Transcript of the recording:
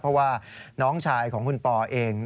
เพราะว่าน้องชายของคุณปอเอง